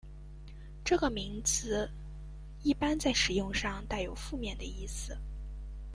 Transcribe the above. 这个名词一般在使用上带有负面的意思。